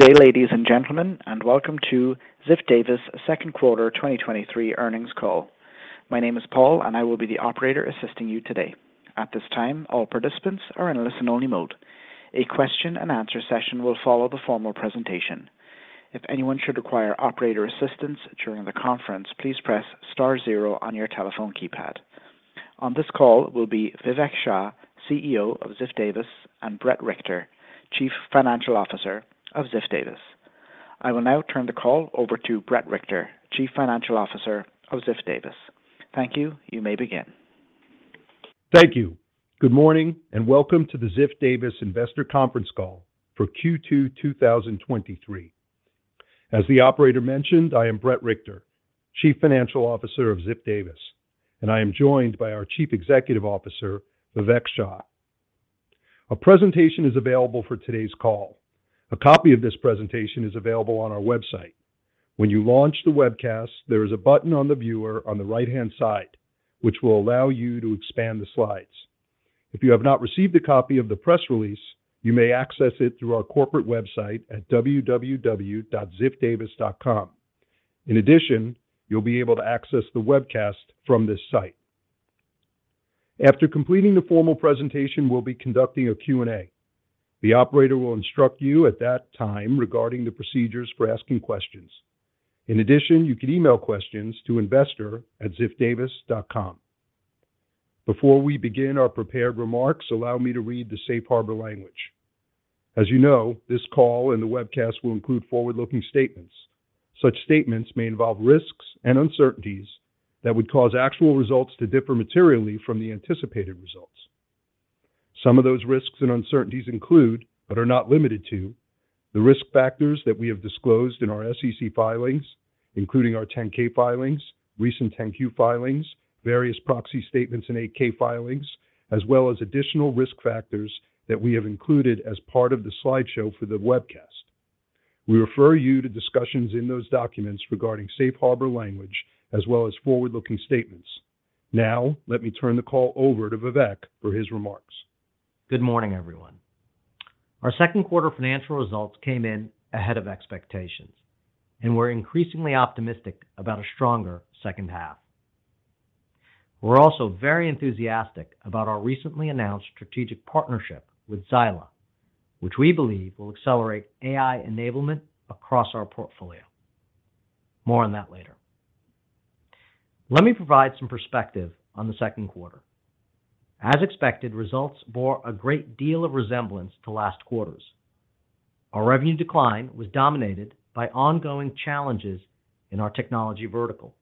Good day, ladies and gentlemen, and welcome to Ziff Davis Second Quarter 2023 Earnings Call. My name is Paul, and I will be the operator assisting you today. At this time, all participants are in a listen-only mode. A question and answer session will follow the formal presentation. If anyone should require operator assistance during the conference, please press star zero on your telephone keypad. On this call will be Vivek Shah, CEO of Ziff Davis, and Bret Richter, Chief Financial Officer of Ziff Davis. I will now turn the call over to Bret Richter, Chief Financial Officer of Ziff Davis. Thank you. You may begin. Thank you. Good morning, and welcome to the Ziff Davis Investor Conference Call for Q2 2023. As the operator mentioned, I am Bret Richter, Chief Financial Officer of Ziff Davis. I am joined by our Chief Executive Officer, Vivek Shah. A presentation is available for today's call. A copy of this presentation is available on our website. When you launch the webcast, there is a button on the viewer on the right-hand side, which will allow you to expand the slides. If you have not received a copy of the press release, you may access it through our corporate website at www.ziffdavis.com. You'll be able to access the webcast from this site. After completing the formal presentation, we'll be conducting a Q&A. The operator will instruct you at that time regarding the procedures for asking questions. You can email questions to investor@ziffdavis.com. Before we begin our prepared remarks, allow me to read the safe harbor language. As you know, this call and the webcast will include forward-looking statements. Such statements may involve risks and uncertainties that would cause actual results to differ materially from the anticipated results. Some of those risks and uncertainties include, but are not limited to, the risk factors that we have disclosed in our SEC filings, including our 10-K filings, recent 10-Q filings, various proxy statements and 8-K filings, as well as additional risk factors that we have included as part of the slideshow for the webcast. We refer you to discussions in those documents regarding safe harbor language, as well as forward-looking statements. Now, let me turn the call over to Vivek for his remarks. Good morning, everyone. Our second quarter financial results came in ahead of expectations, and we're increasingly optimistic about a stronger second half. We're also very enthusiastic about our recently announced strategic partnership with Xyla, which we believe will accelerate AI enablement across our portfolio. More on that later. Let me provide some perspective on the second quarter. As expected, results bore a great deal of resemblance to last quarter's. Our revenue decline was dominated by ongoing challenges in our technology vertical.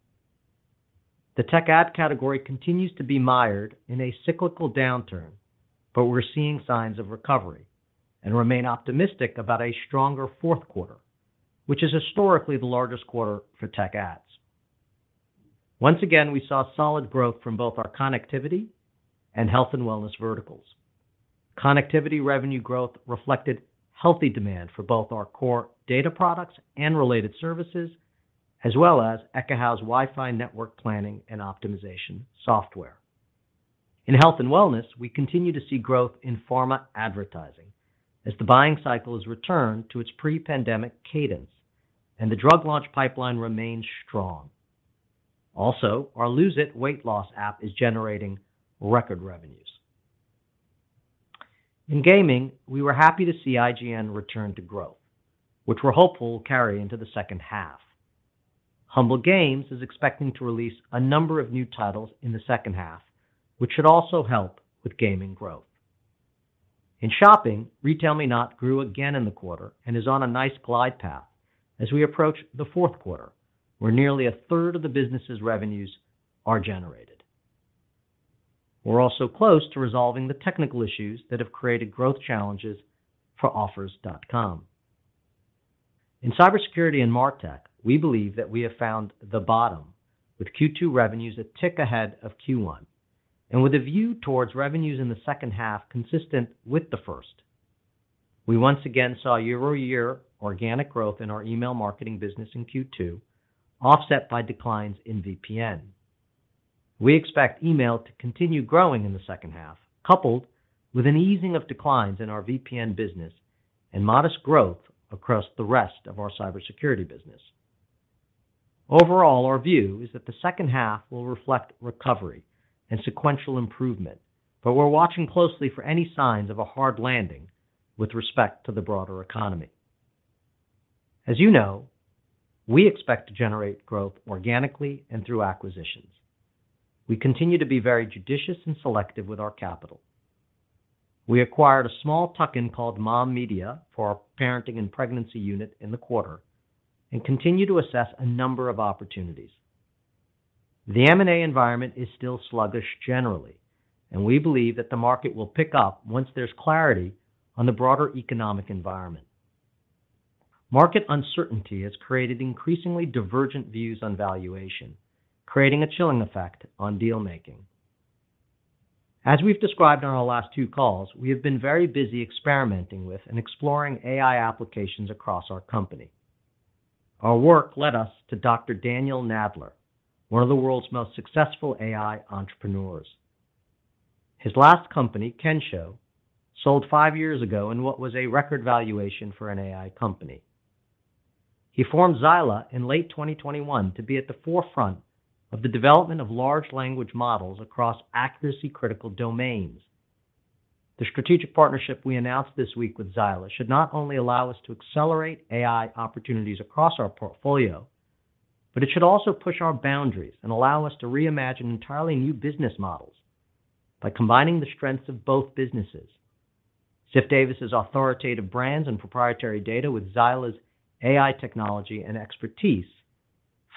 The tech ad category continues to be mired in a cyclical downturn, but we're seeing signs of recovery and remain optimistic about a stronger fourth quarter, which is historically the largest quarter for tech ads. Once again, we saw solid growth from both our connectivity and health and wellness verticals. Connectivity revenue growth reflected healthy demand for both our core data products and related services, as well as Ekahau's Wi-Fi network planning and optimization software. In health and wellness, we continue to see growth in pharma advertising as the buying cycle has returned to its pre-pandemic cadence and the drug launch pipeline remains strong. Also, our Lose It! weight loss app is generating record revenues. In gaming, we were happy to see IGN return to growth, which we're hopeful will carry into the second half. Humble Games is expecting to release a number of new titles in the second half, which should also help with gaming growth. In shopping, RetailMeNot grew again in the quarter and is on a nice glide path as we approach the fourth quarter, where nearly a third of the business's revenues are generated. We're also close to resolving the technical issues that have created growth challenges for Offers.com. In cybersecurity and MarTech, we believe that we have found the bottom, with Q2 revenues a tick ahead of Q1, and with a view towards revenues in the second half, consistent with the first. We once again saw year-over-year organic growth in our email marketing business in Q2, offset by declines in VPN. We expect email to continue growing in the second half, coupled with an easing of declines in our VPN business and modest growth across the rest of our cybersecurity business. Overall, our view is that the second half will reflect recovery and sequential improvement, but we're watching closely for any signs of a hard landing with respect to the broader economy. As you know, we expect to generate growth organically and through acquisitions. We continue to be very judicious and selective with our capital. We acquired a small tuck-in called Mom Media for our parenting and pregnancy unit in the quarter and continue to assess a number of opportunities. The M&A environment is still sluggish generally, and we believe that the market will pick up once there's clarity on the broader economic environment. Market uncertainty has created increasingly divergent views on valuation, creating a chilling effect on deal-making. As we've described on our last five calls, we have been very busy experimenting with and exploring AI applications across our company. Our work led us to Dr. Daniel Nadler, one of the world's most successful AI entrepreneurs.... His last company, Kensho, sold five years ago in what was a record valuation for an AI company. He formed Xyla in late 2021 to be at the forefront of the development of large language models across accuracy-critical domains. The strategic partnership we announced this week with Xyla should not only allow us to accelerate AI opportunities across our portfolio, but it should also push our boundaries and allow us to reimagine entirely new business models by combining the strengths of both businesses. Ziff Davis's authoritative brands and proprietary data with Xyla's AI technology and expertise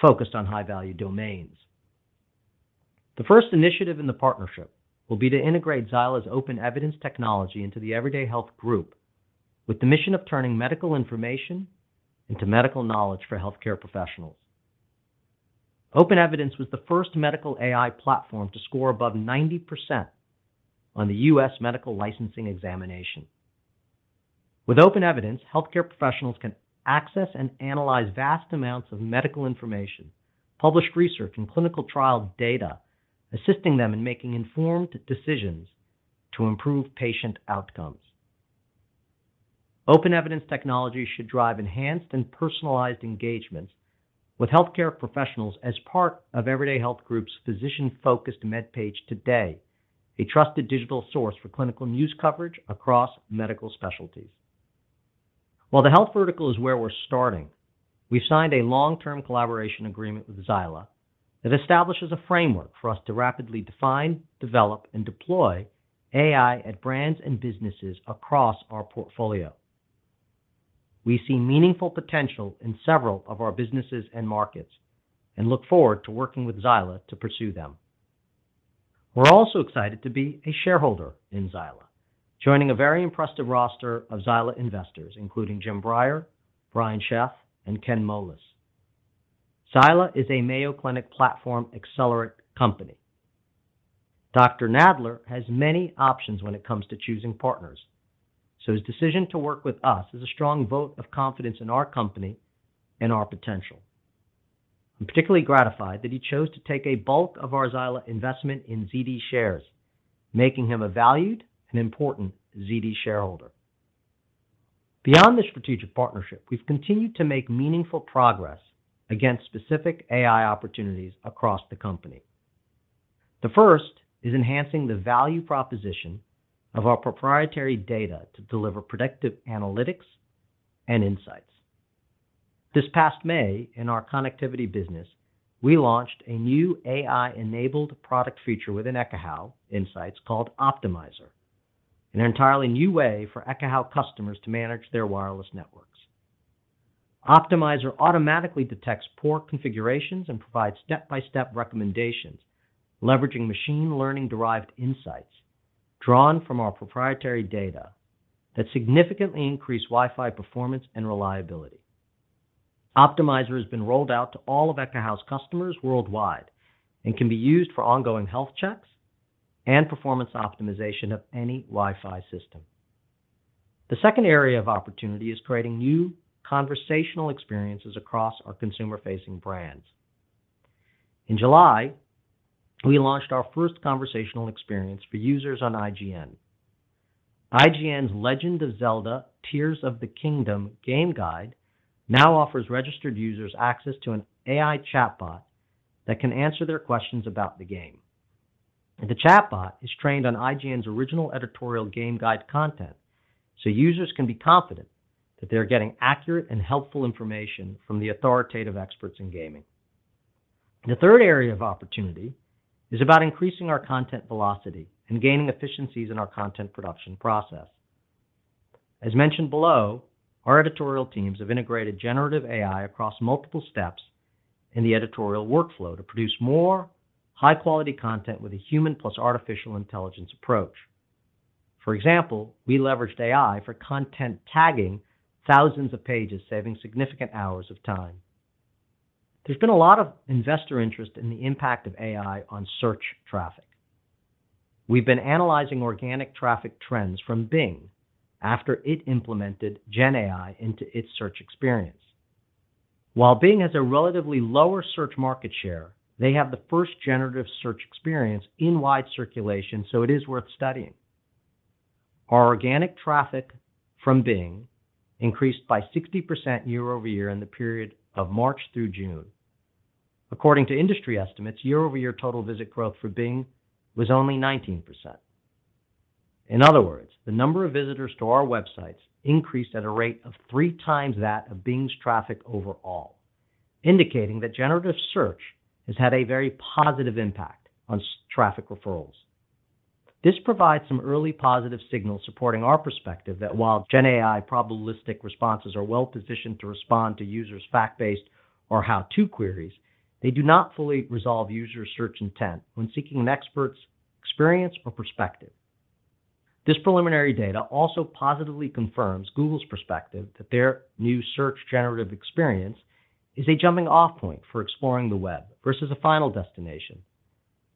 focused on high-value domains. The first initiative in the partnership will be to integrate Xyla's OpenEvidence technology into the Everyday Health Group, with the mission of turning medical information into medical knowledge for healthcare professionals. OpenEvidence was the first medical AI platform to score above 90% on the U.S. Medical Licensing Examination. With OpenEvidence, healthcare professionals can access and analyze vast amounts of medical information, published research, and clinical trial data, assisting them in making informed decisions to improve patient outcomes. OpenEvidence technology should drive enhanced and personalized engagements with healthcare professionals as part of Everyday Health Group's physician-focused MedPage Today, a trusted digital source for clinical news coverage across medical specialties. While the health vertical is where we're starting, we signed a long-term collaboration agreement with Xyla that establishes a framework for us to rapidly define, develop, and deploy AI at brands and businesses across our portfolio. We see meaningful potential in several of our businesses and markets and look forward to working with Xyla to pursue them. We're also excited to be a shareholder in Xyla, joining a very impressive roster of Xyla investors, including Jim Breyer, Brian Sheth, and Ken Moelis. Xyla is a Mayo Clinic Platform_Accelerate company. Dr. Nadler has many options when it comes to choosing partners. His decision to work with us is a strong vote of confidence in our company and our potential. I'm particularly gratified that he chose to take a bulk of our Xyla investment in ZD shares, making him a valued and important ZD shareholder. Beyond the strategic partnership, we've continued to make meaningful progress against specific AI opportunities across the company. The first is enhancing the value proposition of our proprietary data to deliver predictive analytics and insights. This past May, in our connectivity business, we launched a new AI-enabled product feature within Ekahau Insights called Optimizer, an entirely new way for Ekahau customers to manage their wireless networks. Optimizer automatically detects poor configurations and provides step-by-step recommendations, leveraging machine learning-derived insights drawn from our proprietary data that significantly increase Wi-Fi performance and reliability. Optimizer has been rolled out to all of Ekahau's customers worldwide and can be used for ongoing health checks and performance optimization of any Wi-Fi system. The second area of opportunity is creating new conversational experiences across our consumer-facing brands. In July, we launched our first conversational experience for users on IGN. IGN's Legend of Zelda: Tears of the Kingdom game guide now offers registered users access to an AI chatbot that can answer their questions about the game. The chatbot is trained on IGN's original editorial game guide content, so users can be confident that they are getting accurate and helpful information from the authoritative experts in gaming. The third area of opportunity is about increasing our content velocity and gaining efficiencies in our content production process. As mentioned below, our editorial teams have integrated generative AI across multiple steps in the editorial workflow to produce more high-quality content with a human plus artificial intelligence approach. For example, we leveraged AI for content tagging thousands of pages, saving significant hours of time. There's been a lot of investor interest in the impact of AI on search traffic. We've been analyzing organic traffic trends from Bing after it implemented GenAI into its search experience. While Bing has a relatively lower search market share, they have the first generative search experience in wide circulation, so it is worth studying. Our organic traffic from Bing increased by 60% year-over-year in the period of March through June. According to industry estimates, year-over-year total visit growth for Bing was only 19%. In other words, the number of visitors to our websites increased at a rate of three times that of Bing's traffic overall, indicating that generative search has had a very positive impact on traffic referrals. This provides some early positive signals supporting our perspective that while GenAI probabilistic responses are well positioned to respond to users' fact-based or how-to queries, they do not fully resolve users' search intent when seeking an expert's experience or perspective. This preliminary data also positively confirms Google's perspective that their new Search Generative Experience is a jumping-off point for exploring the web versus a final destination,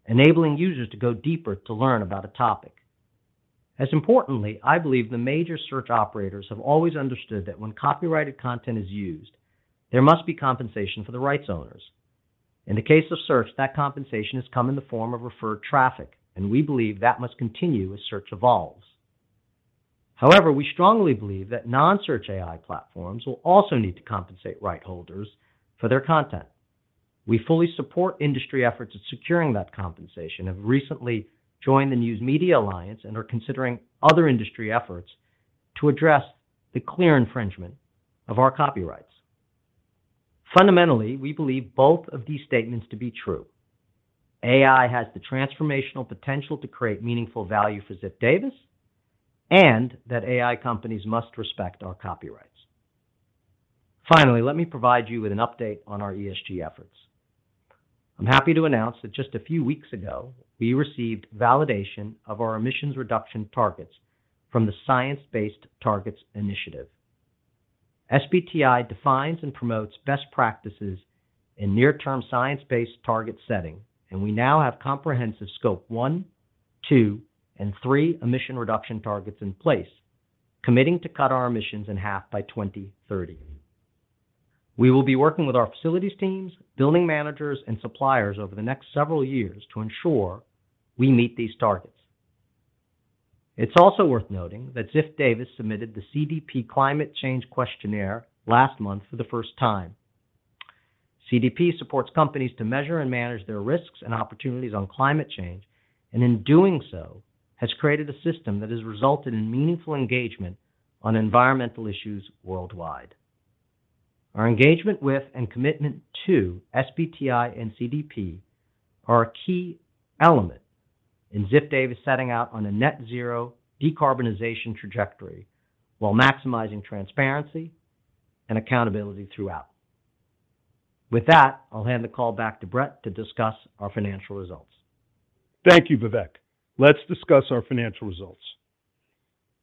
enabling users to go deeper to learn about a topic. As importantly, I believe the major search operators have always understood that when copyrighted content is used, there must be compensation for the rights owners. In the case of search, that compensation has come in the form of referred traffic, and we believe that must continue as search evolves. However, we strongly believe that non-search AI platforms will also need to compensate right holders for their content. We fully support industry efforts at securing that compensation, have recently joined the News Media Alliance, and are considering other industry efforts to address the clear infringement of our copyrights. Fundamentally, we believe both of these statements to be true: AI has the transformational potential to create meaningful value for Ziff Davis, and that AI companies must respect our copyrights. Finally, let me provide you with an update on our ESG efforts. I'm happy to announce that just a few weeks ago, we received validation of our emissions reduction targets from the Science-Based Targets initiative. SBTI defines and promotes best practices in near-term science-based target setting, and we now have comprehensive Scope 1, 2, and 3 emission reduction targets in place, committing to cut our emissions in half by 2030. We will be working with our facilities teams, building managers, and suppliers over the next several years to ensure we meet these targets. It's also worth noting that Ziff Davis submitted the CDP Climate Change questionnaire last month for the first time. CDP supports companies to measure and manage their risks and opportunities on climate change, and in doing so, has created a system that has resulted in meaningful engagement on environmental issues worldwide. Our engagement with and commitment to SBTI and CDP are a key element in Ziff Davis setting out on a Net Zero decarbonization trajectory while maximizing transparency and accountability throughout. With that, I'll hand the call back to Bret to discuss our financial results. Thank you, Vivek. Let's discuss our financial results.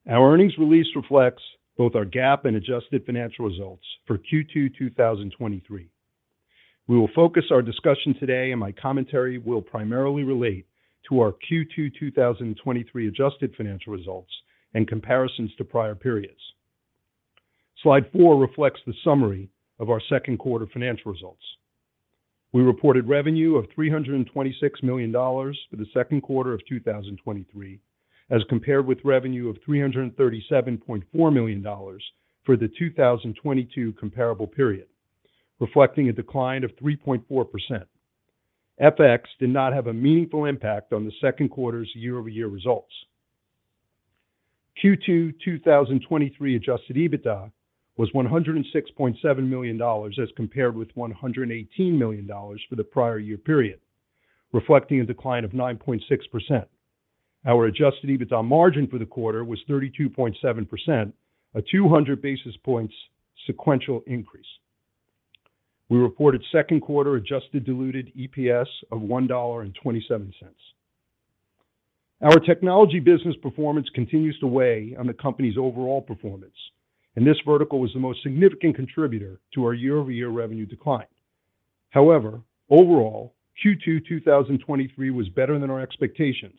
Our earnings release reflects both our GAAP and adjusted financial results for Q2 2023. We will focus our discussion today, and my commentary will primarily relate to our Q2 2023 adjusted financial results and comparisons to prior periods. Slide 4 reflects the summary of our second quarter financial results. We reported revenue of $326 million for the second quarter of 2023, as compared with revenue of $337.4 million for the 2022 comparable period, reflecting a decline of 3.4%. FX did not have a meaningful impact on the second quarter's year-over-year results. Q2 2023 adjusted EBITDA was $106.7 million, as compared with $118 million for the prior year period, reflecting a decline of 9.6%. Our Adjusted EBITDA margin for the quarter was 32.7%, a 200 basis points sequential increase. We reported second quarter adjusted diluted EPS of $1.27. Our technology business performance continues to weigh on the company's overall performance, and this vertical was the most significant contributor to our year-over-year revenue decline. Overall, Q2 2023 was better than our expectations,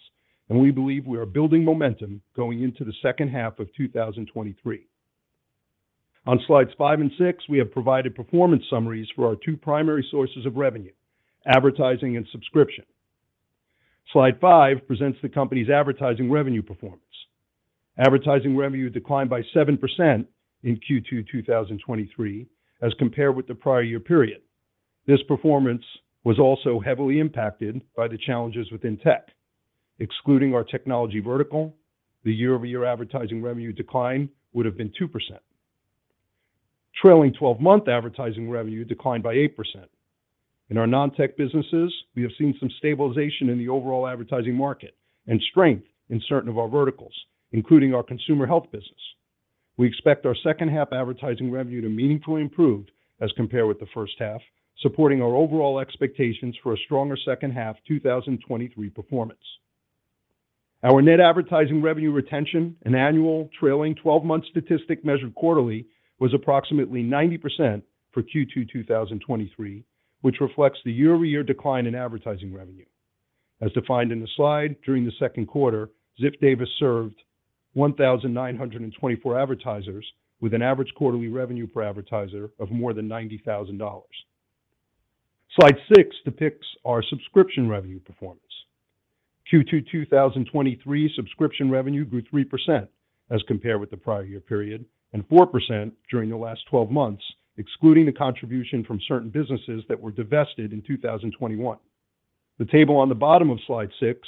and we believe we are building momentum going into the second half of 2023. On slides 5 and 6, we have provided performance summaries for our two primary sources of revenue: advertising and subscription. Slide 5 presents the company's advertising revenue performance. Advertising revenue declined by 7% in Q2 2023 as compared with the prior year period. This performance was also heavily impacted by the challenges within tech. Excluding our technology vertical, the year-over-year advertising revenue decline would have been 2%. Trailing 12-month advertising revenue declined by 8%. In our non-tech businesses, we have seen some stabilization in the overall advertising market and strength in certain of our verticals, including our consumer health business. We expect our second half advertising revenue to meaningfully improve as compared with the first half, supporting our overall expectations for a stronger second half 2023 performance. Our net advertising revenue retention, an annual trailing 12-month statistic measured quarterly, was approximately 90% for Q2 2023, which reflects the year-over-year decline in advertising revenue. As defined in the slide, during the second quarter, Ziff Davis served 1,924 advertisers with an average quarterly revenue per advertiser of more than $90,000. Slide 6 depicts our subscription revenue performance. Q2 2023 subscription revenue grew 3% as compared with the prior year period, and 4% during the last 12 months, excluding the contribution from certain businesses that were divested in 2021. The table on the bottom of slide 6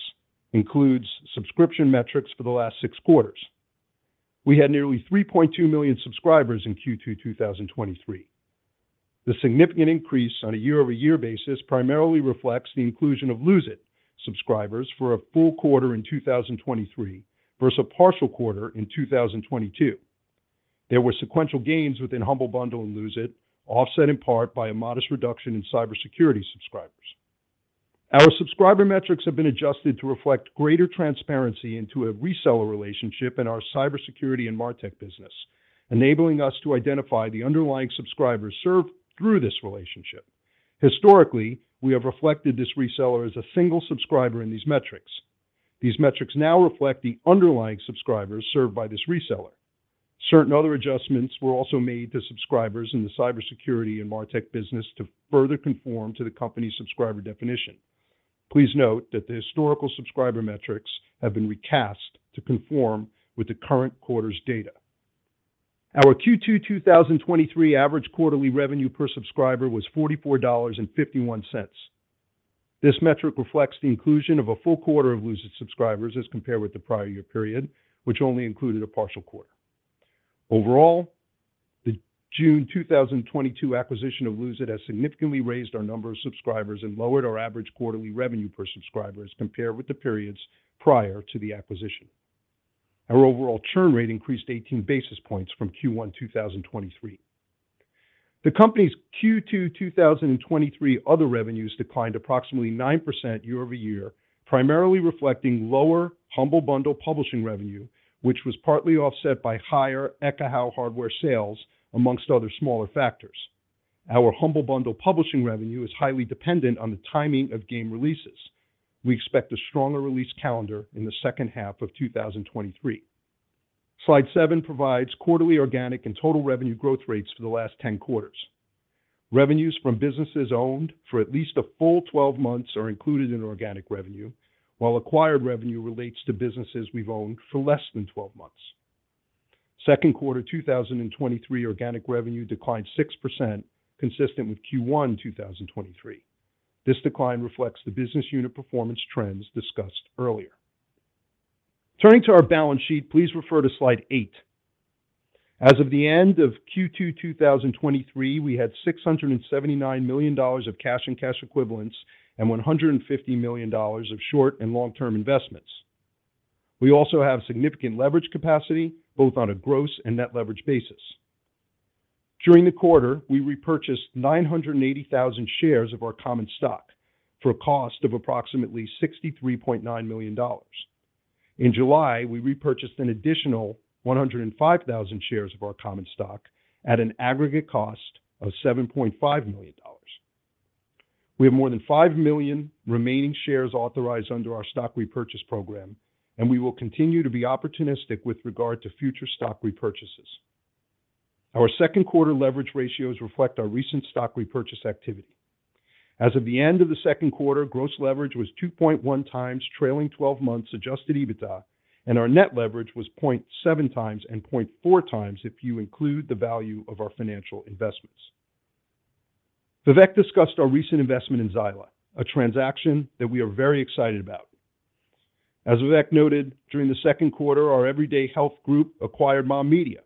includes subscription metrics for the last six quarters. We had nearly 3.2 million subscribers in Q2 2023. The significant increase on a year-over-year basis primarily reflects the inclusion of Lose It! subscribers for a full quarter in 2023 versus a partial quarter in 2022. There were sequential gains within Humble Bundle and Lose It!, offset in part by a modest reduction in cybersecurity subscribers. Our subscriber metrics have been adjusted to reflect greater transparency into a reseller relationship in our cybersecurity and MarTech business, enabling us to identify the underlying subscribers served through this relationship. Historically, we have reflected this reseller as a single subscriber in these metrics. These metrics now reflect the underlying subscribers served by this reseller. Certain other adjustments were also made to subscribers in the cybersecurity and MarTech business to further conform to the company's subscriber definition. Please note that the historical subscriber metrics have been recast to conform with the current quarter's data. Our Q2 2023 average quarterly revenue per subscriber was $44.51. This metric reflects the inclusion of a full quarter of Lose It! subscribers as compared with the prior year period, which only included a partial quarter. Overall, the June 2022 acquisition of Lose It! has significantly raised our number of subscribers and lowered our average quarterly revenue per subscriber as compared with the periods prior to the acquisition. Our overall churn rate increased 18 basis points from Q1 2023. The company's Q2 2023 other revenues declined approximately 9% year-over-year, primarily reflecting lower Humble Bundle publishing revenue, which was partly offset by higher Ekahau hardware sales, amongst other smaller factors. Our Humble Bundle publishing revenue is highly dependent on the timing of game releases. We expect a stronger release calendar in the second half of 2023. Slide 7 provides quarterly organic and total revenue growth rates for the last 10 quarters. Revenues from businesses owned for at least a full 12 months are included in organic revenue, while acquired revenue relates to businesses we've owned for less than 12 months. Second quarter 2023, organic revenue declined 6%, consistent with Q1 2023. This decline reflects the business unit performance trends discussed earlier. Turning to our balance sheet, please refer to slide 8. As of the end of Q2 2023, we had $679 million of cash and cash equivalents, and $150 million of short and long-term investments. We also have significant leverage capacity, both on a gross and net leverage basis. During the quarter, we repurchased 980,000 shares of our common stock for a cost of approximately $63.9 million. In July, we repurchased an additional 105,000 shares of our common stock at an aggregate cost of $7.5 million. We have more than 5 million remaining shares authorized under our stock repurchase program, and we will continue to be opportunistic with regard to future stock repurchases. Our second quarter leverage ratios reflect our recent stock repurchase activity. As of the end of the second quarter, gross leverage was 2.1x trailing 12 months Adjusted EBITDA, and our net leverage was 0.7x, and 0.4x if you include the value of our financial investments. Vivek discussed our recent investment in Xyla, a transaction that we are very excited about. As Vivek noted, during the second quarter, our Everyday Health Group acquired Mom Media,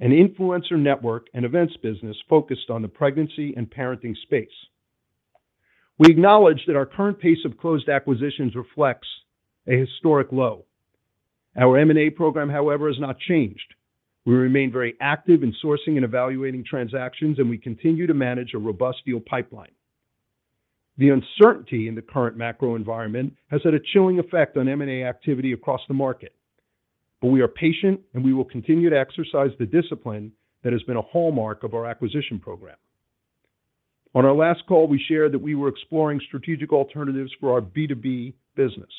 an influencer network and events business focused on the pregnancy and parenting space. We acknowledge that our current pace of closed acquisitions reflects a historic low. Our M&A program, however, has not changed. We remain very active in sourcing and evaluating transactions, and we continue to manage a robust deal pipeline. The uncertainty in the current macro environment has had a chilling effect on M&A activity across the market. We are patient, and we will continue to exercise the discipline that has been a hallmark of our acquisition program. On our last call, we shared that we were exploring strategic alternatives for our B2B business.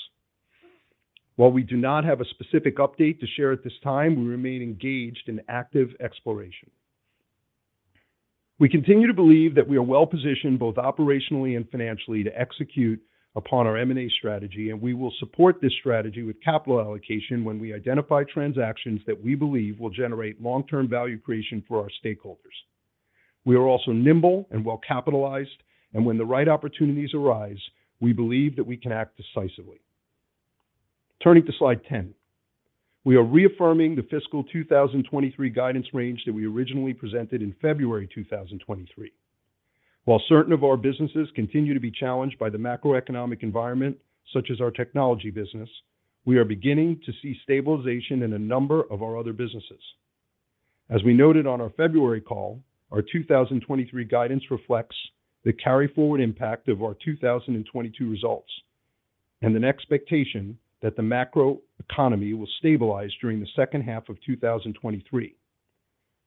While we do not have a specific update to share at this time, we remain engaged in active exploration. We continue to believe that we are well-positioned, both operationally and financially, to execute upon our M&A strategy, and we will support this strategy with capital allocation when we identify transactions that we believe will generate long-term value creation for our stakeholders. We are also nimble and well-capitalized, and when the right opportunities arise, we believe that we can act decisively. Turning to slide 10. We are reaffirming the fiscal 2023 guidance range that we originally presented in February 2023. While certain of our businesses continue to be challenged by the macroeconomic environment, such as our technology business, we are beginning to see stabilization in a number of our other businesses. As we noted on our February call, our 2023 guidance reflects the carry forward impact of our 2022 results and an expectation that the macro economy will stabilize during the second half of 2023.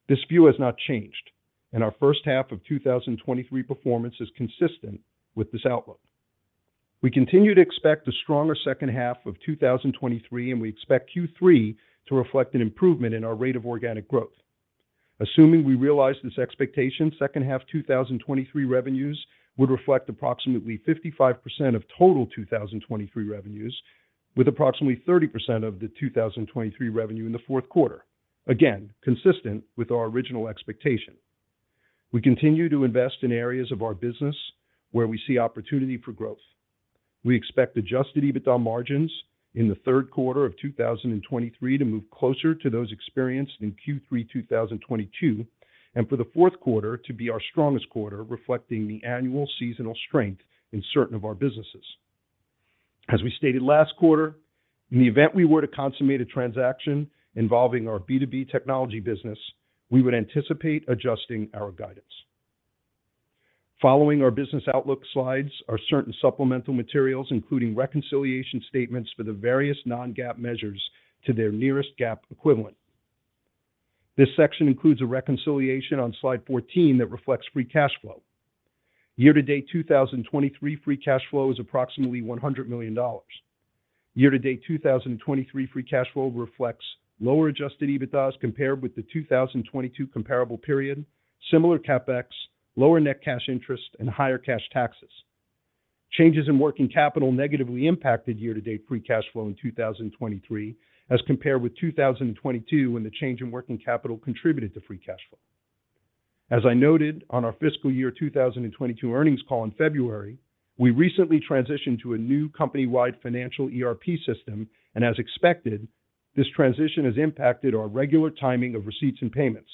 This view has not changed, and our first half of 2023 performance is consistent with this outlook. We continue to expect a stronger second half of 2023, and we expect Q3 to reflect an improvement in our rate of organic growth. Assuming we realize this expectation, second half 2023 revenues would reflect approximately 55% of total 2023 revenues, with approximately 30% of the 2023 revenue in the fourth quarter. Again, consistent with our original expectation. We continue to invest in areas of our business where we see opportunity for growth. We expect adjusted EBITDA margins in the third quarter of 2023 to move closer to those experienced in Q3 2022, and for the fourth quarter to be our strongest quarter, reflecting the annual seasonal strength in certain of our businesses. As we stated last quarter, in the event we were to consummate a transaction involving our B2B technology business, we would anticipate adjusting our guidance. Following our business outlook slides are certain supplemental materials, including reconciliation statements for the various non-GAAP measures to their nearest GAAP equivalent. This section includes a reconciliation on slide 14 that reflects free cash flow. Year-to-date 2023 free cash flow is approximately $100 million. Year-to-date 2023 free cash flow reflects lower Adjusted EBITDA compared with the 2022 comparable period, similar CapEx, lower net cash interest, and higher cash taxes. Changes in working capital negatively impacted year-to-date free cash flow in 2023, as compared with 2022, when the change in working capital contributed to free cash flow. As I noted on our fiscal year 2022 earnings call in February, we recently transitioned to a new company-wide financial ERP system, and as expected, this transition has impacted our regular timing of receipts and payments.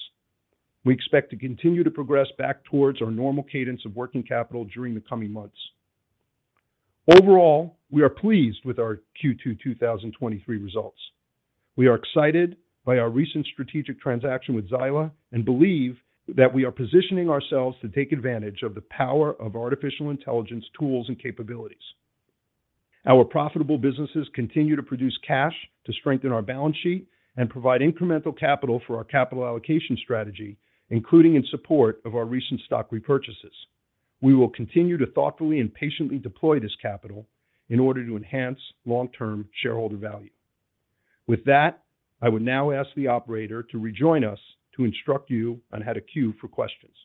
We expect to continue to progress back towards our normal cadence of working capital during the coming months. Overall, we are pleased with our Q2 2023 results. We are excited by our recent strategic transaction with Xyla and believe that we are positioning ourselves to take advantage of the power of artificial intelligence tools and capabilities. Our profitable businesses continue to produce cash to strengthen our balance sheet and provide incremental capital for our capital allocation strategy, including in support of our recent stock repurchases. We will continue to thoughtfully and patiently deploy this capital in order to enhance long-term shareholder value. With that, I would now ask the operator to rejoin us to instruct you on how to queue for questions.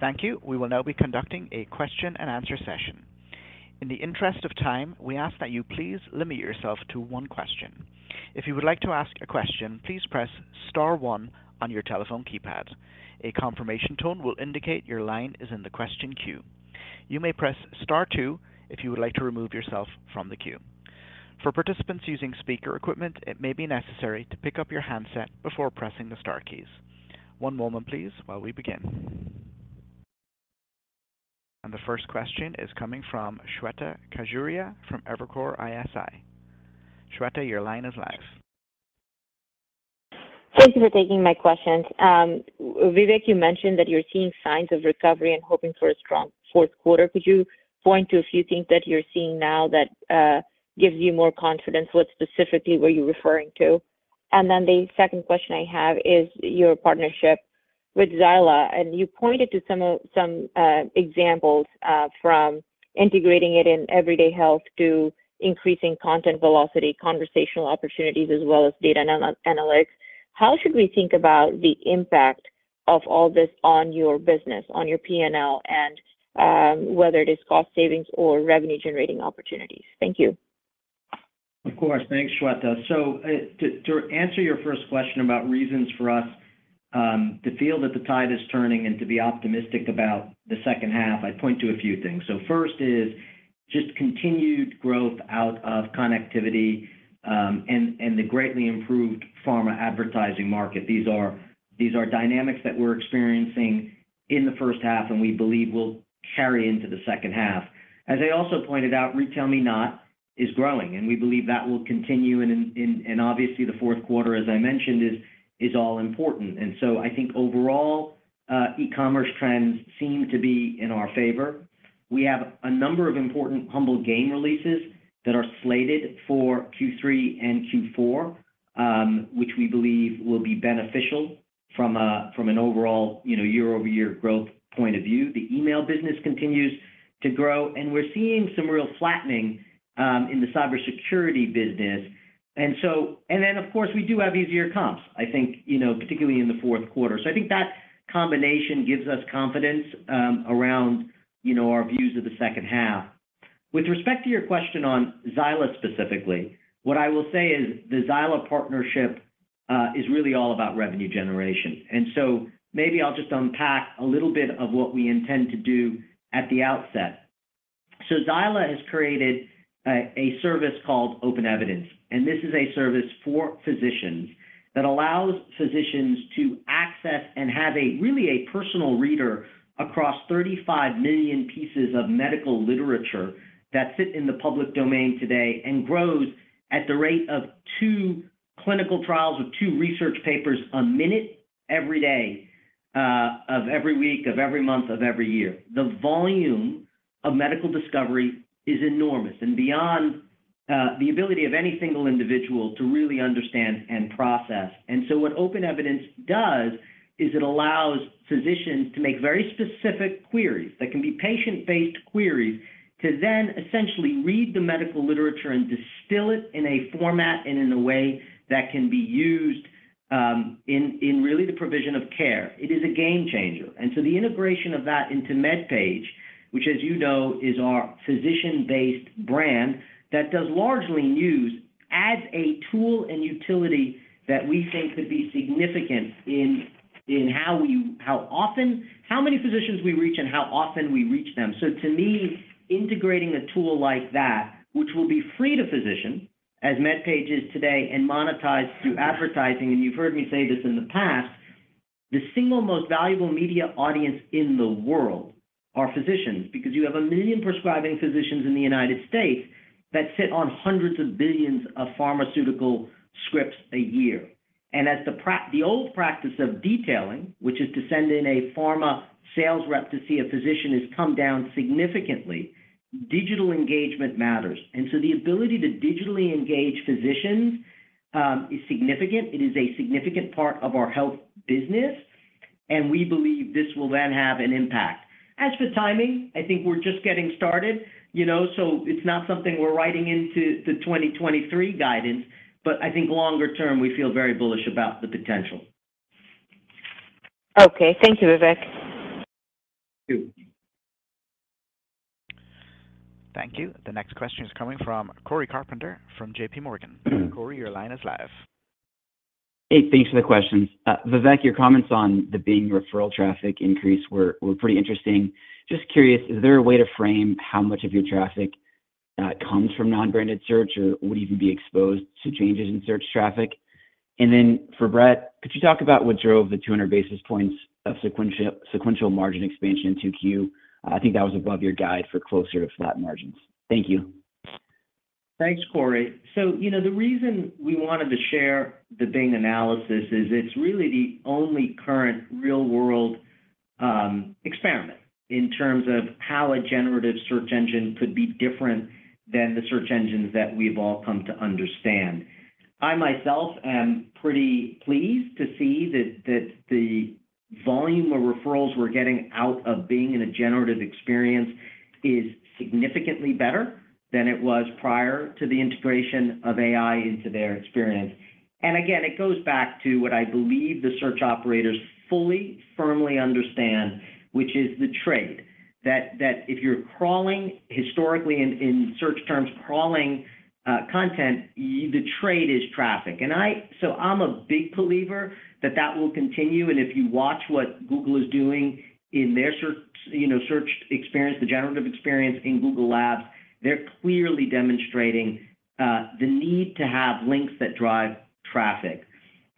Thank you. We will now be conducting a question and answer session. In the interest of time, we ask that you please limit yourself to one question. If you would like to ask a question, please press star one on your telephone keypad. A confirmation tone will indicate your line is in the question queue. You may press star two if you would like to remove yourself from the queue. For participants using speaker equipment, it may be necessary to pick up your handset before pressing the star keys. One moment please while we begin. The first question is coming from Shweta Khajuria from Evercore ISI. Shweta, your line is live. Thank you for taking my questions. Vivek, you mentioned that you're seeing signs of recovery and hoping for a strong fourth quarter. Could you point to a few things that you're seeing now that gives you more confidence? What specifically were you referring to? The second question I have is your partnership with Xyla, and you pointed to some examples from integrating it in Everyday Health to increasing content velocity, conversational opportunities, as well as data analytics. How should we think about the impact of all this on your business, on your P&L, and whether it is cost savings or revenue-generating opportunities? Thank you. Of course. Thanks, Shweta. To, to answer your first question about reasons for us, to feel that the tide is turning and to be optimistic about the second half, I'd point to a few things. First is just continued growth out of connectivity, and, and the greatly improved pharma advertising market. These are, these are dynamics that we're experiencing in the first half, and we believe will carry into the second half. As I also pointed out, RetailMeNot is growing, and we believe that will continue, and, and, and obviously, the fourth quarter, as I mentioned, is, is all important. I think overall, e-commerce trends seem to be in our favor. We have a number of important Humble Games releases that are slated for Q3 and Q4, which we believe will be beneficial from a, from an overall, you know, year-over-year growth point of view. The email business continues to grow, and we're seeing some real flattening in the cybersecurity business. Of course, we do have easier comps, I think, you know, particularly in the fourth quarter. I think that combination gives us confidence around, you know, our views of the second half. With respect to your question on Xyla specifically, what I will say is the Xyla partnership is really all about revenue generation, and so maybe I'll just unpack a little bit of what we intend to do at the outset. Xyla has created a service called OpenEvidence. This is a service for physicians that allows physicians to access and have a really, a personal reader across 35 million pieces of medical literature that sit in the public domain today and grows at the rate of two clinical trials with two research papers a minute, every day, of every week, of every month, of every year. The volume of medical discovery is enormous and beyond the ability of any single individual to really understand and process. What OpenEvidence does is it allows physicians to make very specific queries that can be patient-based queries, to then essentially read the medical literature and distill it in a format and in a way that can be used in, in really the provision of care. It is a game changer. The integration of that into MedPage, which as you know, is our physician-based brand, that does largely use as a tool and utility that we think could be significant in how many physicians we reach and how often we reach them. To me, integrating a tool like that, which will be free to physicians as MedPage is today and monetized through advertising, and you've heard me say this in the past, the single most valuable media audience in the world are physicians, because you have 1 million prescribing physicians in the United States that sit on hundreds of billions of pharmaceutical scripts a year. As the old practice of detailing, which is to send in a pharma sales rep to see a physician, has come down significantly, digital engagement matters. The ability to digitally engage physicians is significant. It is a significant part of our health business. We believe this will then have an impact. As for timing, I think we're just getting started, you know, so it's not something we're writing into the 2023 guidance. I think longer term, we feel very bullish about the potential. Okay. Thank you, Vivek. Thank you. Thank you. The next question is coming from Cory Carpenter from J.P. Morgan. Cory, your line is live. Hey, thanks for the questions. Vivek, your comments on the Bing referral traffic increase were pretty interesting. Just curious, is there a way to frame how much of your traffic comes from non-branded search or would even be exposed to changes in search traffic? Then for Bret, could you talk about what drove the 200 basis points of sequential margin expansion in 2Q? I think that was above your guide for closer to flat margins. Thank you. Thanks, Cory. You know, the reason we wanted to share the Bing analysis is it's really the only current real-world experiment in terms of how a generative search engine could be different than the search engines that we've all come to understand. I, myself, am pretty pleased to see that, that the volume of referrals we're getting out of being in a generative experience is significantly better than it was prior to the integration of AI into their experience. Again, it goes back to what I believe the search operators fully, firmly understand, which is the trade, that, that if you're crawling historically in, in search terms, crawling content, the trade is traffic. So I'm a big believer that that will continue, and if you watch what Google is doing in their search, you know, search experience, the generative experience in Google Labs, they're clearly demonstrating the need to have links that drive traffic.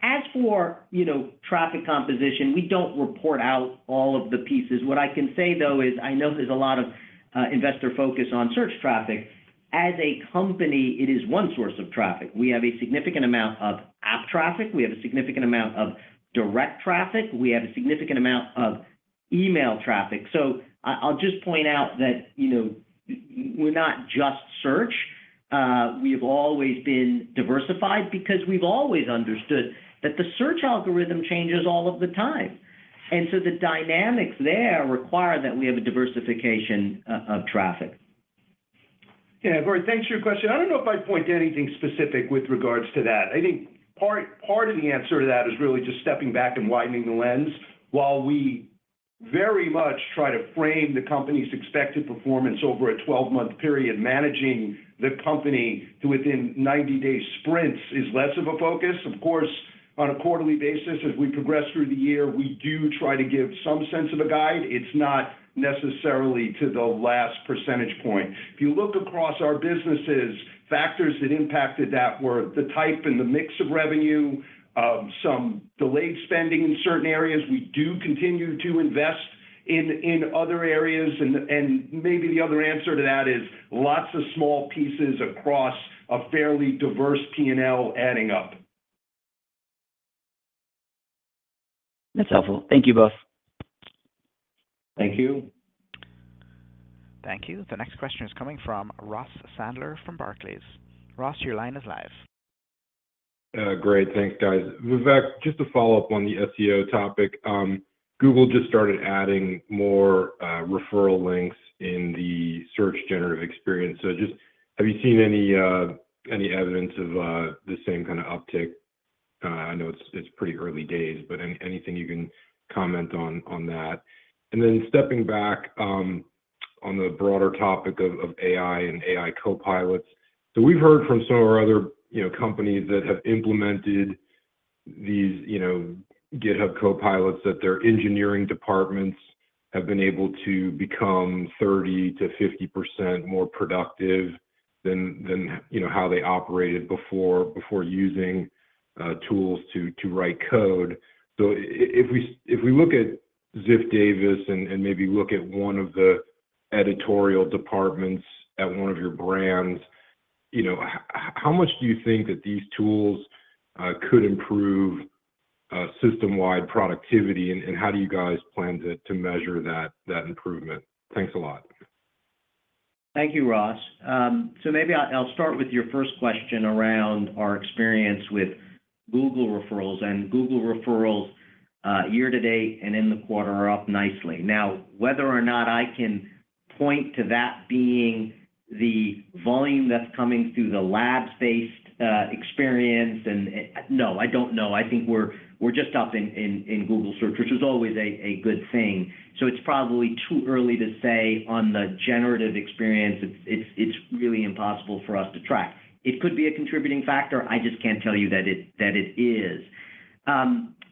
As for, you know, traffic composition, we don't report out all of the pieces. What I can say, though, is I know there's a lot of investor focus on search traffic. As a company, it is one source of traffic. We have a significant amount of app traffic. We have a significant amount of direct traffic. We have a significant amount of email traffic. I'll just point out that, you know, we're not just search. We have always been diversified because we've always understood that the search algorithm changes all of the time, and so the dynamics there require that we have a diversification of traffic. Yeah, Cory, thanks for your question. I don't know if I'd point to anything specific with regards to that. I think part, part of the answer to that is really just stepping back and widening the lens. While we very much try to frame the company's expected performance over a 12-month period, managing the company to within 90-day sprints is less of a focus. Of course, on a quarterly basis, as we progress through the year, we do try to give some sense of a guide. It's not necessarily to the last percentage point. If you look across our businesses, factors that impacted that were the type and the mix of revenue, some delayed spending in certain areas. We do continue to invest in, in other areas, and, and maybe the other answer to that is lots of small pieces across a fairly diverse P&L adding up. That's helpful. Thank you both. Thank you. Thank you. The next question is coming from Ross Sandler from Barclays. Ross, your line is live. Great. Thanks, guys. Vivek, just to follow up on the SEO topic, Google just started adding more referral links in the Search Generative Experience. Just have you seen any evidence of the same kind of uptick? I know it's, it's pretty early days, but anything you can comment on, on that. Then stepping back, on the broader topic of AI and AI Copilots. We've heard from some of our other, you know, companies that have implemented these, you know, GitHub Copilot, that their engineering departments have been able to become 30%-50% more productive than, than, you know, how they operated before, before using tools to, to write code. If we, if we look at Ziff Davis and, and maybe look at one of the editorial departments at one of your brands, you know, how much do you think that these tools could improve system-wide productivity, and, and how do you guys plan to, to measure that, that improvement? Thanks a lot. Thank you, Ross. Maybe I'll, I'll start with your first question around our experience with Google referrals. Google referrals year to date and in the quarter are up nicely. Now, whether or not I can point to that being the volume that's coming through the Labs-based experience and... No, I don't know. I think we're, we're just up in, in, in Google search, which is always a, a good thing. It's probably too early to say on the Search Generative Experience. It's, it's, it's really impossible for us to track. It could be a contributing factor. I just can't tell you that it, that it is.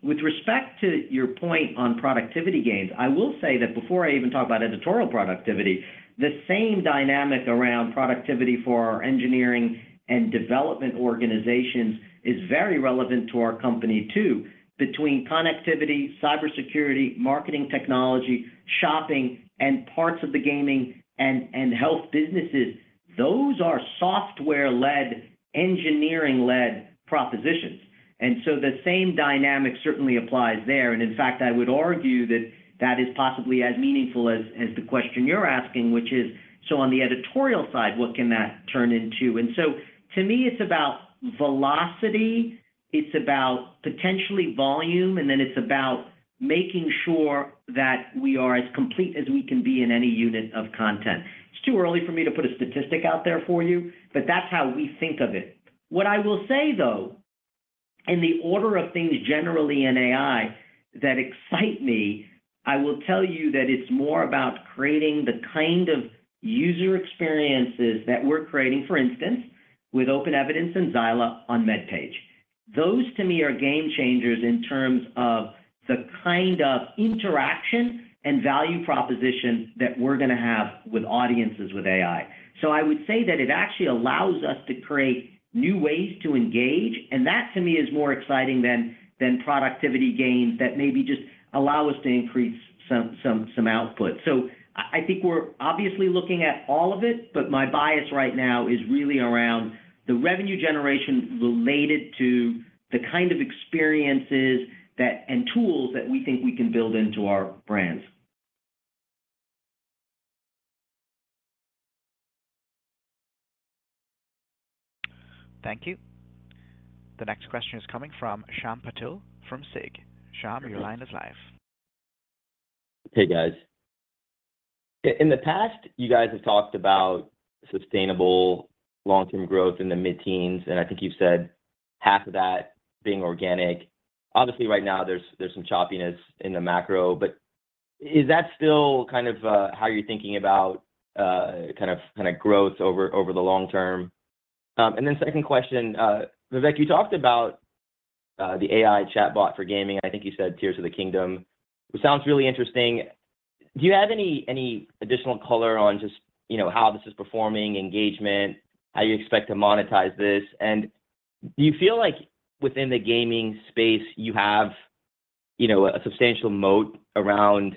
With respect to your point on productivity gains, I will say that before I even talk about editorial productivity, the same dynamic around productivity for our engineering and development organizations is very relevant to our company, too. Between connectivity, cybersecurity, marketing technology, shopping, and parts of the gaming and health businesses, those are software-led, engineering-led propositions. The same dynamic certainly applies there. In fact, I would argue that that is possibly as meaningful as, as the question you're asking, which is: On the editorial side, what can that turn into? To me, it's about velocity, it's about potentially volume, and then it's about making sure that we are as complete as we can be in any unit of content. It's too early for me to put a statistic out there for you, but that's how we think of it. What I will say, though, in the order of things generally in AI that excite me, I will tell you that it's more about creating the kind of user experiences that we're creating, for instance, with OpenEvidence and Xyla on MedPage. Those to me are game changers in terms of the kind of interaction and value proposition that we're going to have with audiences with AI. I would say that it actually allows us to create new ways to engage, and that to me is more exciting than productivity gains that maybe just allow us to increase some output. I think we're obviously looking at all of it, but my bias right now is really around the revenue generation related to the kind of experiences that, and tools that we think we can build into our brands. Thank you. The next question is coming from Shyam Patil from SIG. Shyam, your line is live. Hey, guys. In the past, you guys have talked about sustainable long-term growth in the mid-teens, and I think you've said half of that being organic. Obviously, right now, there's, there's some choppiness in the macro, is that still kind of how you're thinking about kind of, kind of growth over, over the long term? Second question, Vivek, you talked about the AI chatbot for gaming. I think you said Tears of the Kingdom, which sounds really interesting. Do you have any, any additional color on just, you know, how this is performing, engagement, how you expect to monetize this? Do you feel like within the gaming space, you have, you know, a substantial moat around,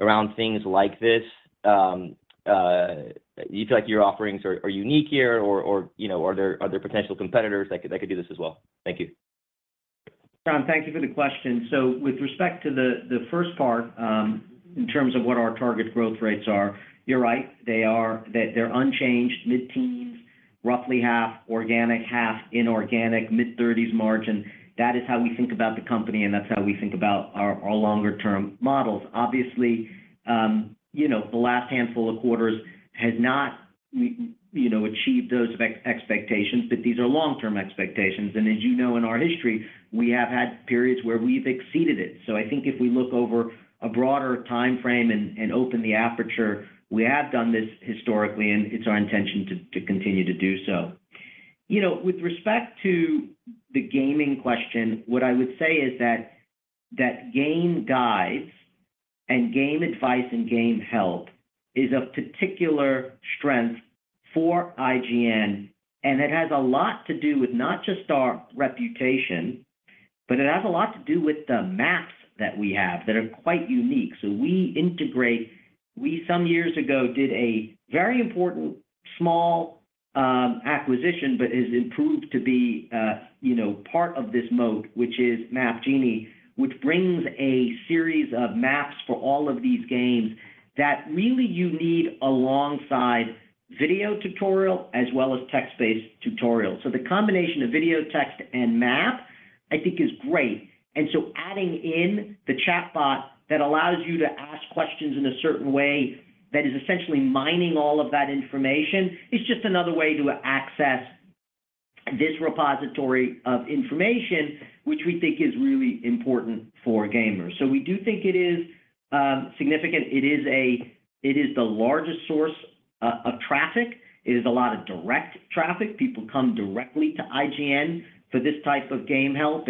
around things like this? Do you feel like your offerings are, are unique here or, or, you know, are there, are there potential competitors that could, that could do this as well? Thank you. Shyam, thank you for the question. With respect to the first part, in terms of what our target growth rates are, you're right. They're unchanged mid-teens, roughly half organic, half inorganic, mid-30s margin. That is how we think about the company, and that's how we think about our longer-term models. Obviously, you know, the last handful of quarters has not, you know, achieved those expectations, but these are long-term expectations. As you know, in our history, we have had periods where we've exceeded it. I think if we look over a broader time frame and open the aperture, we have done this historically, and it's our intention to continue to do so. You know, with respect to the gaming question, what I would say is that, that game guides and game advice and game help is of particular strength for IGN, and it has a lot to do with not just our reputation, but it has a lot to do with the maps that we have that are quite unique. We some years ago, did a very important small acquisition, but it has proved to be, you know, part of this moat, which is MapGenie, which brings a series of maps for all of these games that really you need alongside video tutorial as well as text-based tutorials. The combination of video, text, and map, I think is great. Adding in the chatbot that allows you to ask questions in a certain way that is essentially mining all of that information, is just another way to access this repository of information, which we think is really important for gamers. We do think it is significant. It is the largest source of traffic. It is a lot of direct traffic. People come directly to IGN for this type of game help.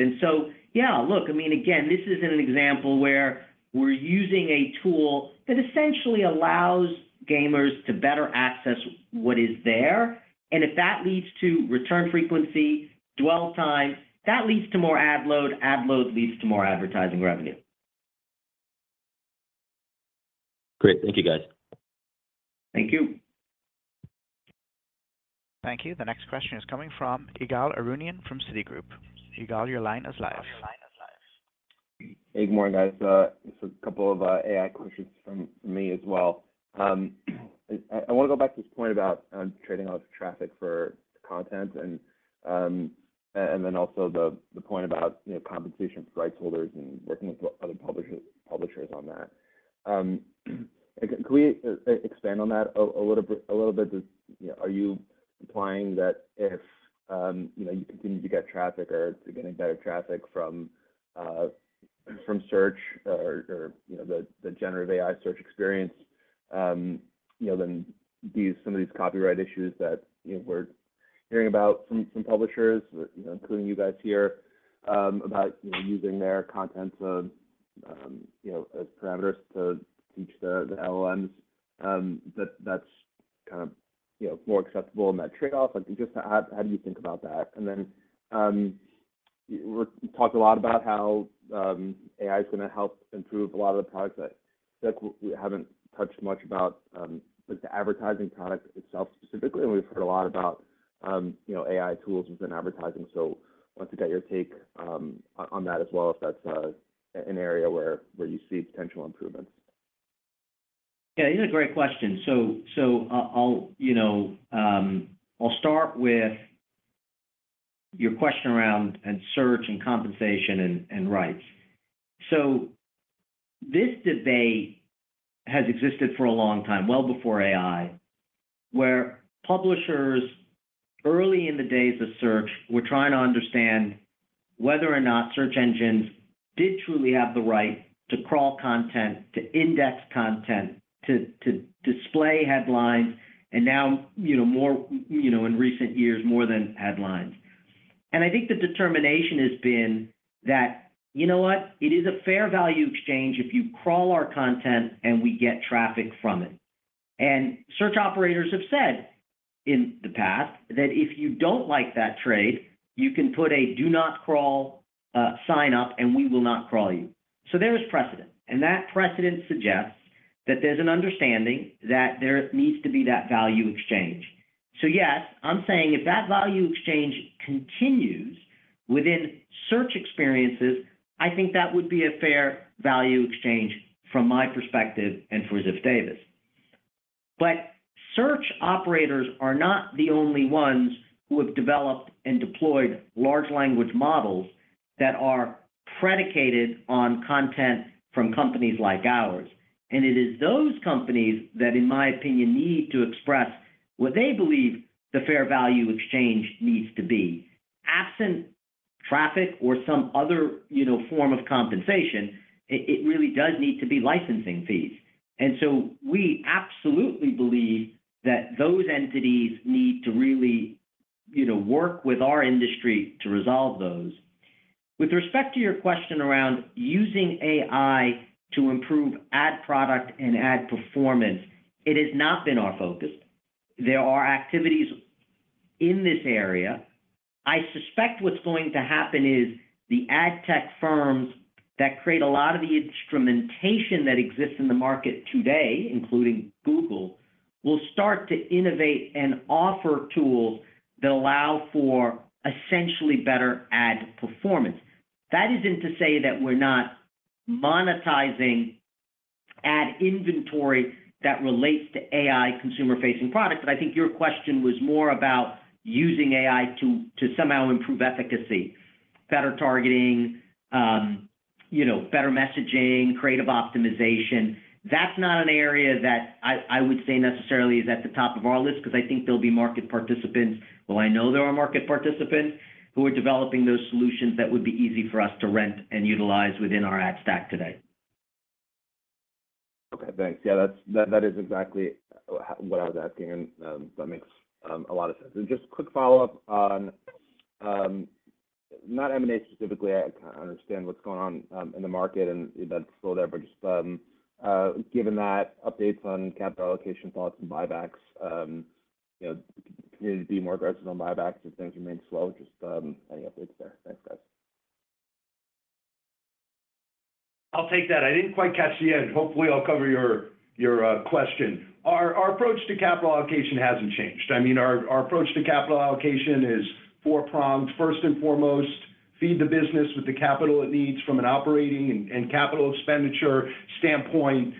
Yeah, look, I mean, again, this is an example where we're using a tool that essentially allows gamers to better access what is there, and if that leads to return frequency, dwell time, that leads to more ad load, ad load leads to more advertising revenue. Great. Thank you, guys. Thank you. Thank you. The next question is coming from Ygal Arounian from Citigroup. Ygal, your line is live. Hey, good morning, guys. Just a couple of AI questions from me as well. I, I want to go back to this point about trading off traffic for content and then also the point about, you know, compensation for rights holders and working with other publishers on that. Can we expand on that a little bit? Just, are you implying that if, you know, you continue to get traffic or to get better traffic from, from search or, or, you know, the generative AI search experience, you know, then some of these copyright issues that, you know, we're hearing about from some publishers, including you guys here, about, you know, using their content, you know, as parameters to teach the LLMs, that, that's kind of, you know, more acceptable in that trade-off? I think, just how, how do you think about that? We talked a lot about how AI is going to help improve a lot of the products, but we haven't touched much about the advertising product itself specifically. We've heard a lot about, you know, AI tools within advertising, so I want to get your take on that as well, if that's an area where, where you see potential improvements. Yeah, these are great questions. I'll, you know, I'll start with your question around search, and compensation, and rights. This debate has existed for a long time, well before AI, where publishers, early in the days of search, were trying to understand whether or not search engines did truly have the right to crawl content, to index content, to display headlines, and now, you know, more, in recent years, more than headlines. I think the determination has been that, you know what? It is a fair value exchange if you crawl our content and we get traffic from it. Search operators have said in the past that if you don't like that trade, you can put a do not crawl, sign up, and we will not crawl you. There is precedent, and that precedent suggests that there's an understanding that there needs to be that value exchange. Yes, I'm saying if that value exchange continues within search experiences, I think that would be a fair value exchange from my perspective and for Ziff Davis. Search operators are not the only ones who have developed and deployed large language models that are predicated on content from companies like ours. It is those companies that, in my opinion, need to express what they believe the fair value exchange needs to be. Absent traffic or some other, you know, form of compensation, it, it really does need to be licensing fees. We absolutely believe that those entities need to really, you know, work with our industry to resolve those. With respect to your question around using AI to improve ad product and ad performance, it has not been our focus. There are activities in this area. I suspect what's going to happen is the ad tech firms that create a lot of the instrumentation that exists in the market today, including Google, will start to innovate and offer tools that allow for essentially better ad performance. That isn't to say that we're not monetizing ad inventory that relates to AI consumer-facing products, but I think your question was more about using AI to somehow improve efficacy, better targeting, you know, better messaging, creative optimization. That's not an area that I would say necessarily is at the top of our list, because I think there'll be market participants, or I know there are market participants, who are developing those solutions that would be easy for us to rent and utilize within our ad stack today. Okay, thanks. Yeah, that's, that is exactly what I was asking, and that makes a lot of sense. Just quick follow-up on, not M&A specifically. I kinda understand what's going on in the market and that slow leverage. Given that, updates on capital allocation, thoughts, and buybacks, you know, continue to be more aggressive on buybacks if things remain slow, just any updates there? Thanks, guys. I'll take that. I didn't quite catch the end. Hopefully, I'll cover your, your question. Our, our approach to capital allocation hasn't changed. I mean, our, our approach to capital allocation is four-pronged. First and foremost, feed the business with the capital it needs from an operating and, and capital expenditure standpoint.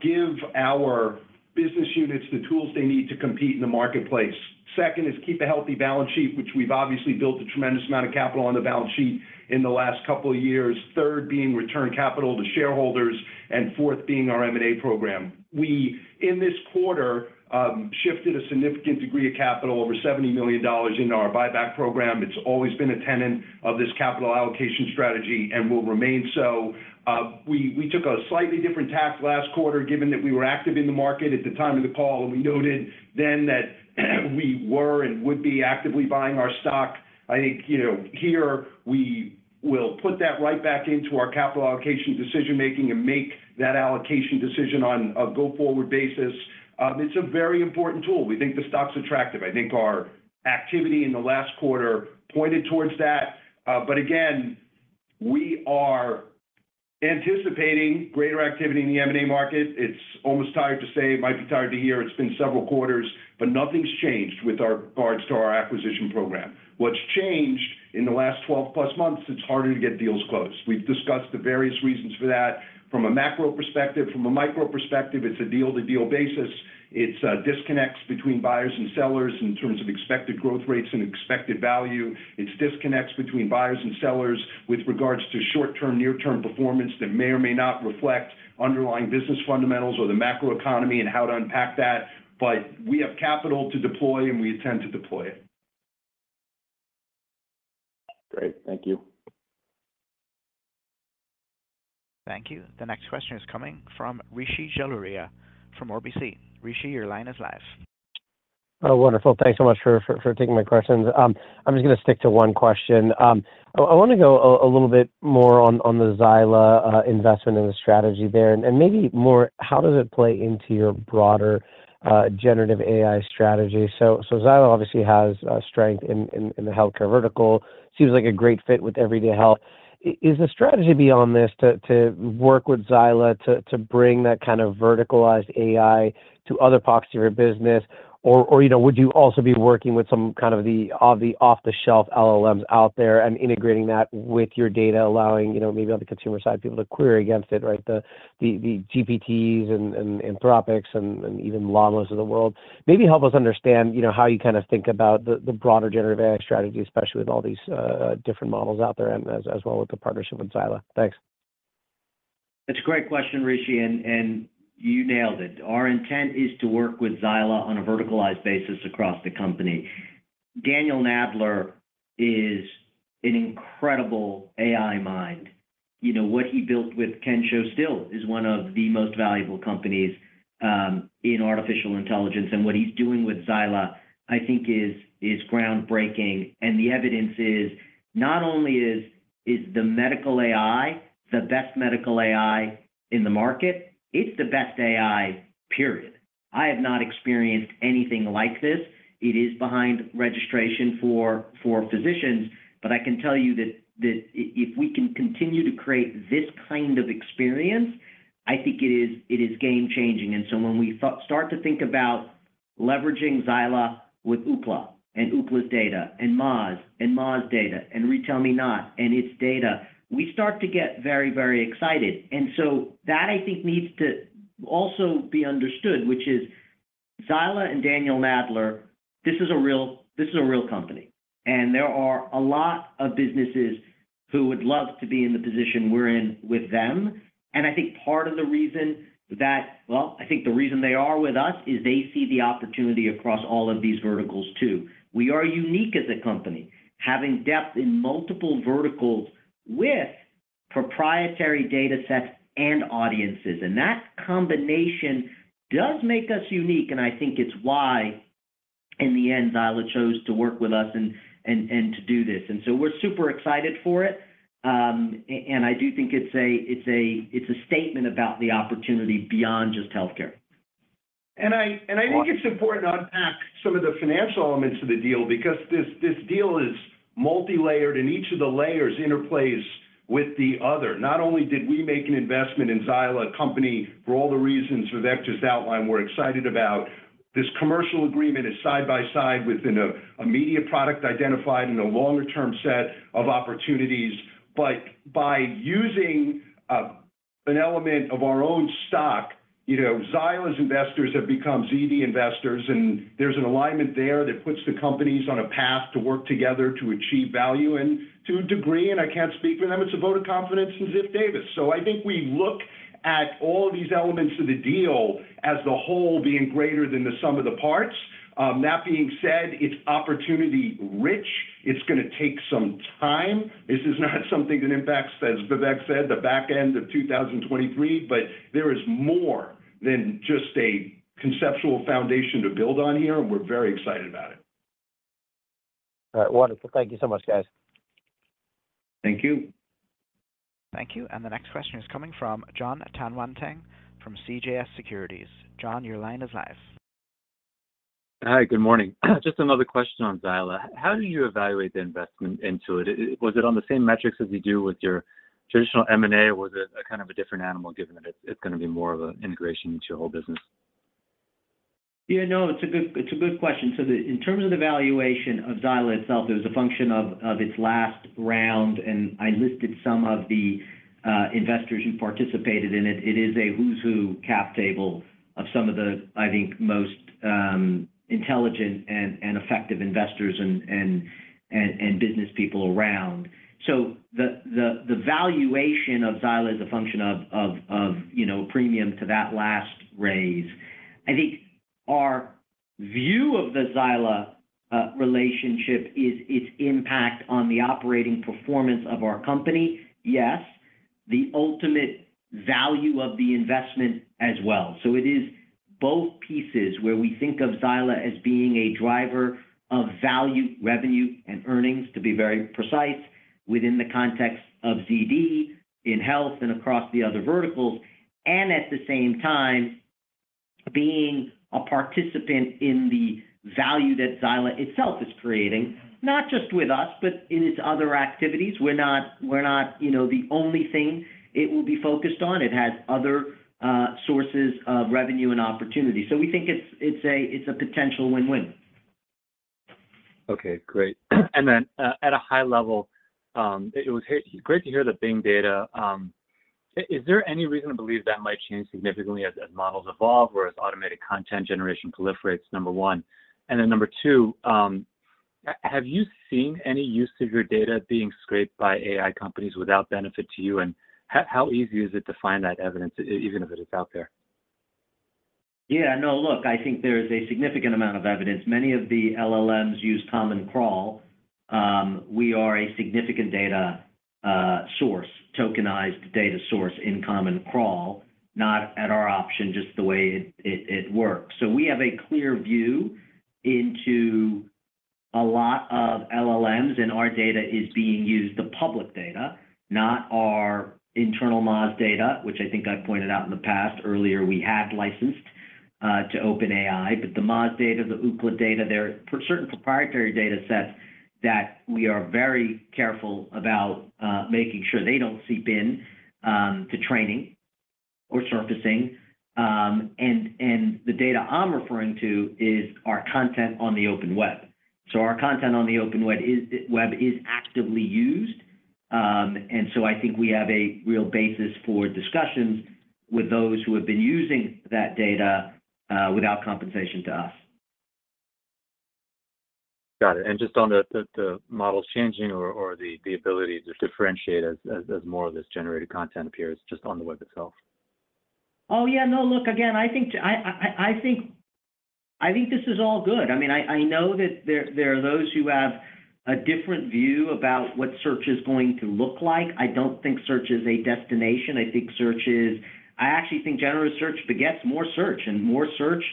Give our business units the tools they need to compete in the marketplace. Second is keep a healthy balance sheet, which we've obviously built a tremendous amount of capital on the balance sheet in the last couple of years. Third being return capital to shareholders, and fourth being our M&A program. We, in this quarter, shifted a significant degree of capital, over $70 million into our buyback program. It's always been a tenet of this capital allocation strategy and will remain so. We, we took a slightly different tack last quarter, given that we were active in the market at the time of the call, and we noted then that we were and would be actively buying our stock. I think, you know, here we will put that right back into our capital allocation decision-making and make that allocation decision on a go-forward basis. It's a very important tool. We think the stock's attractive. I think our activity in the last quarter pointed towards that. Again, we are anticipating greater activity in the M&A market. It's almost tired to say, it might be tired to hear, it's been several quarters, but nothing's changed with our regards to our acquisition program. What's changed in the last 12-plus months, it's harder to get deals closed. We've discussed the various reasons for that, from a macro perspective. From a micro perspective, it's a deal-to-deal basis. It's disconnects between buyers and sellers in terms of expected growth rates and expected value. It's disconnects between buyers and sellers with regards to short-term, near-term performance that may or may not reflect underlying business fundamentals or the macroeconomy and how to unpack that. We have capital to deploy, and we intend to deploy it. Great. Thank you. Thank you. The next question is coming from Rishi Jaluria from RBC. Rishi, your line is live. Oh, wonderful. Thanks so much for, for, for taking my questions. I'm just gonna stick to one question. I, I wanna go a little bit more on, on the Xyla investment and the strategy there, and, and maybe more, how does it play into your broader generative AI strategy? So, so Xyla obviously has strength in, in, in the healthcare vertical. Seems like a great fit with Everyday Health. Is the strategy beyond this to, to work with Xyla to, to bring that kind of verticalized AI to other parts of your business? Or, or, you know, would you also be working with some kind of the, of the off-the-shelf LLMs out there and integrating that with your data, allowing, you know, maybe on the consumer side, people to query against it, right? The, the, the GPTs and, and Anthropic and, and even Llamas of the world. Maybe help us understand, you know, how you kind of think about the, the broader generative AI strategy, especially with all these, different models out there, and as, as well as the partnership with Xyla. Thanks. That's a great question, Rishi, and, and you nailed it. Our intent is to work with Xyla on a verticalized basis across the company. Daniel Nadler is an incredible AI mind. You know, what he built with Kensho still is one of the most valuable companies in artificial intelligence. What he's doing with Xyla, I think is, is groundbreaking, and the evidence is, not only is, is the medical AI the best medical AI in the market, it's the best AI, period. I have not experienced anything like this. It is behind registration for, for physicians, but I can tell you that, that if we can continue to create this kind of experience, I think it is, it is game-changing. When we start to think about leveraging Xyla with Ookla and Ookla's data, and Moz, and Moz data, and RetailMeNot and its data, we start to get very, very excited. That, I think, needs to also be understood, which is Xyla and Daniel Nadler, this is a real, this is a real company, and there are a lot of businesses who would love to be in the position we're in with them. I think part of the reason that... Well, I think the reason they are with us is they see the opportunity across all of these verticals, too. We are unique as a company, having depth in multiple verticals with proprietary datasets and audiences, and that combination does make us unique, and I think it's why, in the end, Xyla chose to work with us and, and, and to do this. We're super excited for it, and I do think it's a, it's a, it's a statement about the opportunity beyond just healthcare. I, and I think it's important to unpack some of the financial elements of the deal, because this, this deal is multilayered, and each of the layers interplays with the other. Not only did we make an investment in Xyla, a company for all the reasons Vivek just outlined, we're excited about. This commercial agreement is side by side with a, a media product identified and a longer term set of opportunities. By using, an element of our own stock, you know, Xyla's investors have become ZD investors, and there's an alignment there that puts the companies on a path to work together to achieve value. To a degree, and I can't speak for them, it's a vote of confidence in Ziff Davis. I think we look at all these elements of the deal as the whole being greater than the sum of the parts. That being said, it's opportunity rich. It's gonna take some time. This is not something that impacts, as Vivek said, the back end of 2023, but there is more than just a conceptual foundation to build on here, and we're very excited about it. All right. Wonderful. Thank you so much, guys. Thank you. Thank you. The next question is coming from Jon Tanwanteng from CJS Securities. Jon, your line is live. Hi, good morning. Just another question on Xyla. How did you evaluate the investment into it? Was it on the same metrics as you do with your traditional M&A, or was it a kind of a different animal, given that it's gonna be more of a integration into your whole business? Yeah, no, it's a good, it's a good question. In terms of the valuation of Xyla itself, it was a function of its last round, and I listed some of the investors who participated in it. It is a who's who cap table of some of the, I think, most intelligent and effective investors and business people around. The valuation of Xyla is a function of, you know, a premium to that last raise. I think our view of the Xyla relationship is its impact on the operating performance of our company. Yes, the ultimate value of the investment as well. It is both pieces where we think of Xyla as being a driver of value, revenue, and earnings, to be very precise, within the context of ZD, in health and across the other verticals, and at the same time, being a participant in the value that Xyla itself is creating, not just with us, but in its other activities. We're not, we're not, you know, the only thing it will be focused on. It has other sources of revenue and opportunity. We think it's, it's a, it's a potential win-win. Okay, great. Then, at a high level, it was great to hear the Bing data. Is there any reason to believe that might change significantly as models evolve or as automated content generation proliferates? Number one. Then number two, have you seen any use of your data being scraped by AI companies without benefit to you? How easy is it to find that evidence, even if it is out there? Yeah, no, look, I think there is a significant amount of evidence. Many of the LLMs use Common Crawl. We are a significant data source, tokenized data source in Common Crawl, not at our option, just the way it, it, it works. We have a clear view into a lot of LLMs, and our data is being used, the public data, not our internal Moz data, which I think I've pointed out in the past, earlier, we had licensed to OpenAI. The Moz data, the Ookla data, there are certain proprietary data sets that we are very careful about making sure they don't seep in to training or surfacing. And the data I'm referring to is our content on the open web. Our content on the open web is actively used. So I think we have a real basis for discussions with those who have been using that data, without compensation to us. Got it. Just on the model changing or the ability to differentiate as more of this generated content appears just on the web itself. Oh, yeah. No, look, again, I think I, I, I think, I think this is all good. I mean, I, I know that there, there are those who have a different view about what search is going to look like. I don't think search is a destination. I think search is. I actually think generative search begets more search, and more search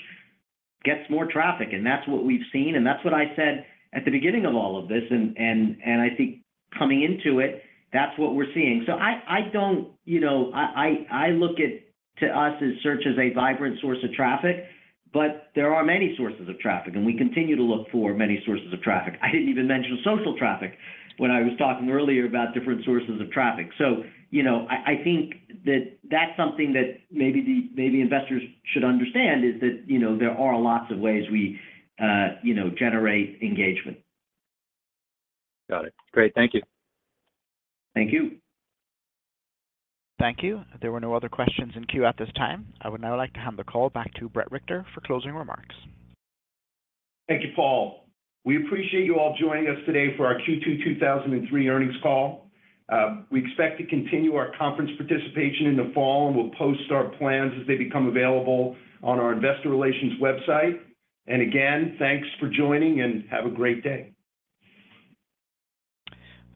gets more traffic, and that's what we've seen, and that's what I said at the beginning of all of this. I think coming into it, that's what we're seeing. I, I don't, you know, I, I, I look at, to us, as search as a vibrant source of traffic, but there are many sources of traffic, and we continue to look for many sources of traffic. I didn't even mention social traffic when I was talking earlier about different sources of traffic. You know, I, I think that that's something that maybe maybe investors should understand, is that, you know, there are lots of ways we, you know, generate engagement. Got it. Great. Thank you. Thank you. Thank you. There were no other questions in queue at this time. I would now like to hand the call back to Bret Richter for closing remarks. Thank you, Paul. We appreciate you all joining us today for our Q2 2023 earnings call. We expect to continue our conference participation in the fall, and we'll post our plans as they become available on our investor relations website. Again, thanks for joining, and have a great day.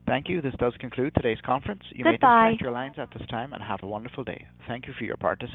Thank you. This does conclude today's conference. You may disconnect your lines at this time. Have a wonderful day. Thank you for your participation.